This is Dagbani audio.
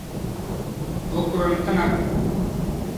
O kurim tiŋa.